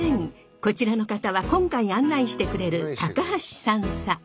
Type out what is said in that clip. こちらの方は今回案内してくれる高橋３佐。